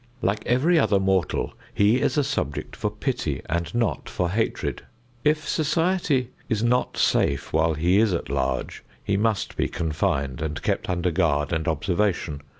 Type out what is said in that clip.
Like every other mortal, he is a subject for pity and not for hatred. If society is not safe while he is at large, he must be confined and kept under guard and observation.